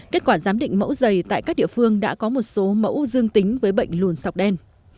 kết quả giám định mẫu dày tại các địa phương đã có một số mẫu dương tính với bệnh lùn sọc đen